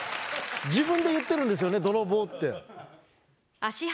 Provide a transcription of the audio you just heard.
自分で言ってるんですよねどろぼうって。何？